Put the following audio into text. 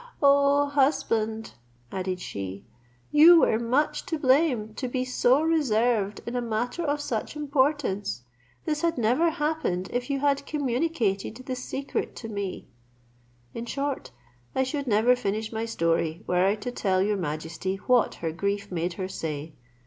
Oh! husband," added she, "you were much to blame to be so reserved in a matter of such importance This had never happened, if you had communicated the secret to me." In short, I should never finish my story were I to tell your majesty what her grief made her say.